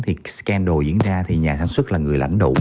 thì scandal diễn ra thì nhà sản xuất là người lãnh đủ